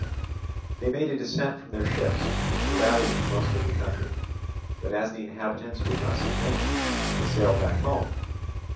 They made a descent from their ships, and ravaged most of the country; but as the inhabitants would not submit, they sailed back home.